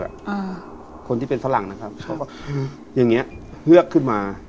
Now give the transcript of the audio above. อ่าคนที่เป็นฝรั่งนะครับเขาก็อืมอย่างเงี้เฮือกขึ้นมา